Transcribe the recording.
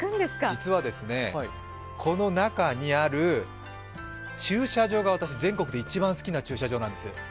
実はですね、この中にある駐車場が私、全国で一番好きな駐車場なんです。